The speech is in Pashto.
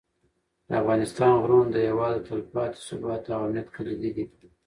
د افغانستان غرونه د هېواد د تلپاتې ثبات او امنیت کلیدي دي.